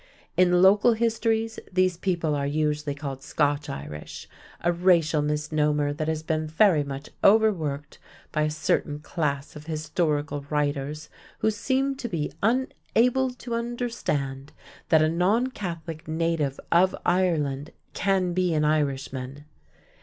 In local histories these people are usually called "Scotch Irish," a racial misnomer that has been very much overworked by a certain class of historical writers who seem to be unable to understand that a non Catholic native of Ireland can be an Irishman.